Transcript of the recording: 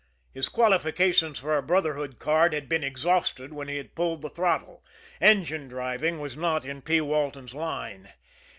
His qualifications for a Brotherhood card had been exhausted when he had pulled the throttle engine driving was not in P. Walton's line.